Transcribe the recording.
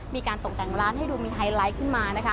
มีการตกแต่งร้านให้ดูมีไฮไลท์ขึ้นมานะคะ